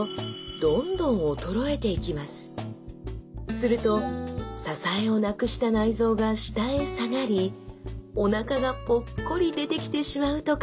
すると支えをなくした内臓が下へ下がりおなかがポッコリ出てきてしまうと考えられます！